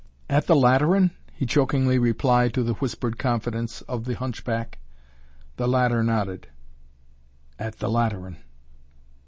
"At the Lateran?" he chokingly replied to the whispered confidence of the hunchback. The latter nodded. "At the Lateran."